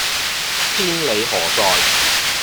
天理何在